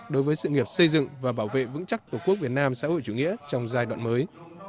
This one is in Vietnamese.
đối với sự nghiệp xây dựng và bảo vệ vững chắc tổ quốc việt nam xã hội chủ nghĩa trong giai đoạn mới